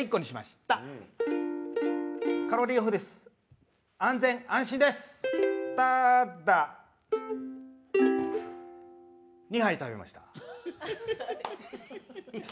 ただ、２杯食べました。